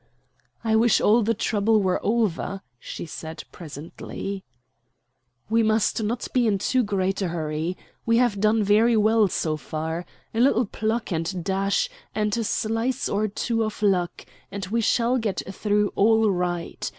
"I wish all the trouble were over," she said presently. "We must not be in too great a hurry. We have done very well so far. A little pluck and dash, and slice or two of luck, and we shall get through all right.